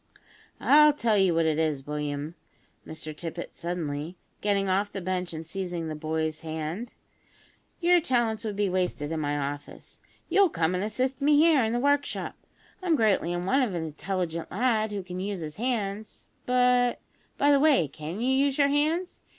"I'll tell you what it is, William," said Mr Tippet suddenly, getting off the bench and seizing the boy's hand, "your talents would be wasted in my office. You'll come and assist me here in the workshop. I'm greatly in want of an intelligent lad who can use his hands; but, by the way, can you use your hands?